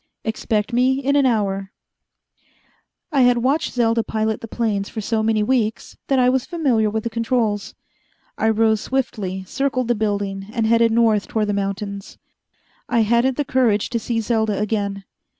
"Expect me in an hour." I had watched Selda pilot the planes for so many weeks that I was familiar with the controls. I rose swiftly, circled the building, and headed north toward the mountains. I hadn't the courage to see Selda again.